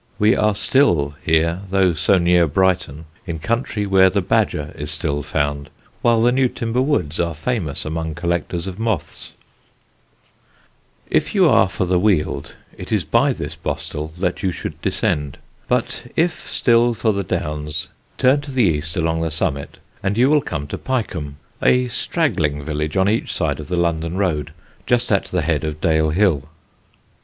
We are here, though so near Brighton, in country where the badger is still found, while the Newtimber woods are famous among collectors of moths. [Sidenote: PYECOMBE CROOKS] If you are for the Weald it is by this bostel that you should descend, but if still for the Downs turn to the east along the summit, and you will come to Pyecombe, a straggling village on each side of the London road just at the head of Dale Hill.